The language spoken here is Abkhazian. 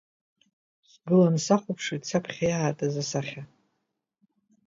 Сгылан сахәаԥшуеит саԥхьа иаатыз асахьа…